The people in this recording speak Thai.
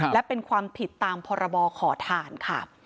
และเป็นความผิดตามพรบขอทานค่ะ